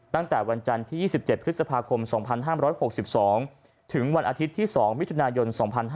ตั้งแต่วันจันทร์ที่๒๗พฤษภาคม๒๕๖๒ถึงวันอาทิตย์ที่๒มิถุนายน๒๕๕๙